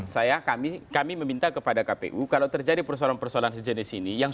saya kami kami meminta kepada kpu kalau terjadi persoalan persoalan sejenis ini